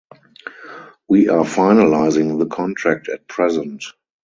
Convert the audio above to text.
We are finalising the contract at present.